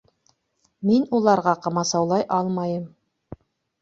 Мин уларға ҡамасаулай алмайым.